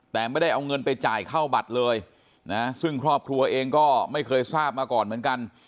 แต่ไม่ได้เอาเงินไปจ่ายเข้าบัตรเลยนะซึ่งครอบครัวเองก็ไม่เคยทราบมาก่อนเหมือนกัน